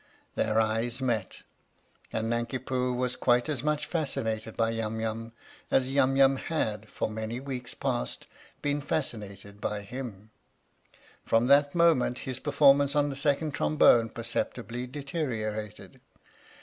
Their eyes met, and Nanki Poo was quite as much fascinated by Yum Yum as Yum Yum had, for many weeks past, been fascinated by him. From that moment his performance on the second trombone perceptibly deteriorated.